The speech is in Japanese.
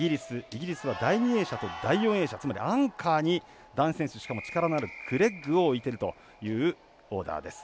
イギリスは第２泳者と第４泳者つまり、アンカーに男子選手しかも、力のあるクレッグを置いているというオーダーです。